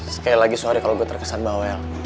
sekali lagi sorry kalau gue terkesan bawel